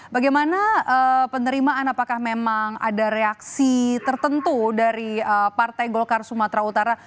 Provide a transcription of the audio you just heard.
bagaimana penerimaan apakah memang ada reaksi tertentu dari partai golkar sumatera utara